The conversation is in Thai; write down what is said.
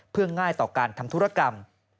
เพื่อง่ายต่อการทำธุรกรรม